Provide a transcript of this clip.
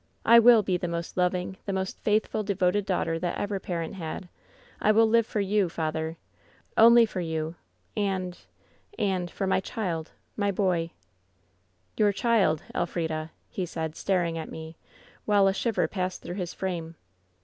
I will be the most loving, the most faithful, de voted daughter that ever parent had. I will live for you, father. Only for you — ^and — ^and — for my child — ^my boy.' " ^Your child, Elf rida !' he said, staring at me, while a shiver passed through his frame.